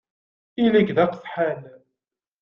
Ili-k d aqesḥan!